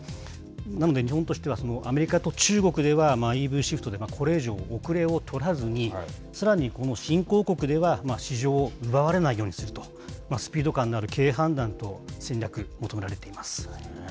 なので、日本としてはアメリカと中国ではＥＶシフトでこれ以上、後れを取らずに、さらに新興国では市場を奪われないようにすると、スピード感のある経営判断と戦略、求められています。